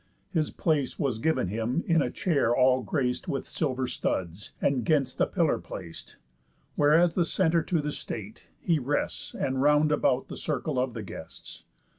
His place was giv'n him in a chair all grac'd With silver studs, and 'gainst a pillar plac'd: Where, as the centre to the state, he rests, And round about the circle of the guests.